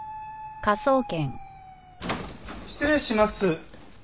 失礼します。